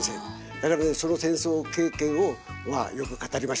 だからねその戦争経験をまあよく語りましたよ。